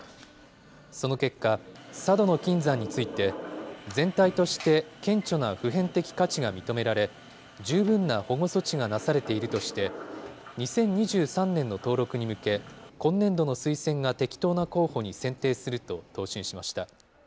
その結果、佐渡島の金山について、全体として顕著な普遍的価値が認められ、十分な保護措置がなされているとして、２０２３年の登録に向け、今年度の推薦が適当な候補に選定すると答申しました。